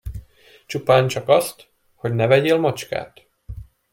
Csupáncsak azt, hogy ne vegyél macskát!